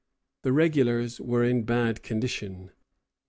] The regulars were in bad condition.